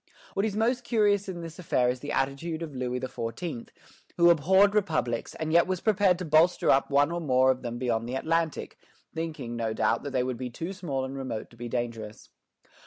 What is most curious in this affair is the attitude of Louis XIV., who abhorred republics, and yet was prepared to bolster up one or more of them beyond the Atlantic, thinking, no doubt, that they would be too small and remote to be dangerous.